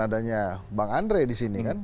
adanya bang andri disini kan